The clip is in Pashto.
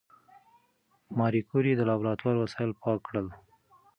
ماري کوري د لابراتوار وسایل پاک کړل.